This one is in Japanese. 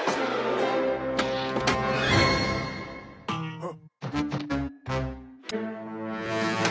あっ。